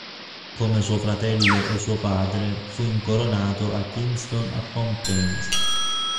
Come suo fratello e suo padre fu incoronato a Kingston upon Thames.